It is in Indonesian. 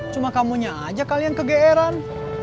cuma kamunya aja kali yang kegeeran